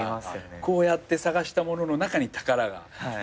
こうやって探したものの中に宝が。